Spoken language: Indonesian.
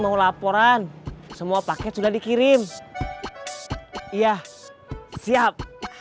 apa laporan semua paket sudah dikirim iya siap